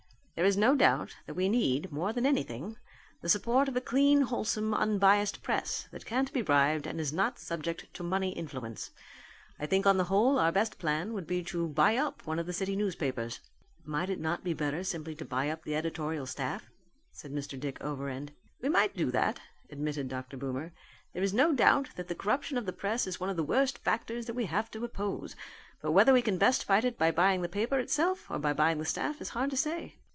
"There is no doubt that we need, more than anything, the support of a clean, wholesome unbiassed press that can't be bribed and is not subject to money influence. I think on the whole our best plan would be to buy up one of the city newspapers." "Might it not be better simply to buy up the editorial staff?" said Mr. Dick Overend. "We might do that," admitted Dr. Boomer. "There is no doubt that the corruption of the press is one of the worst factors that we have to oppose. But whether we can best fight it by buying the paper itself or buying the staff is hard to say."